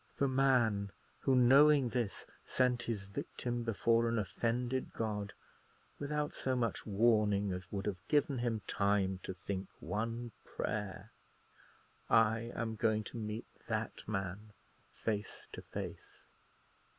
The man who, knowing this, sent his victim before an offended God, without so much warning as would have given him time to think one prayer. I am going to meet that man face to face!"